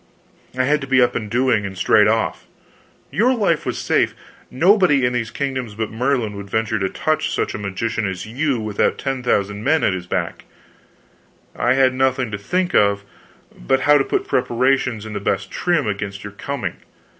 I had to be up and doing and straight off. Your life was safe nobody in these kingdoms but Merlin would venture to touch such a magician as you without ten thousand men at his back I had nothing to think of but how to put preparations in the best trim against your coming.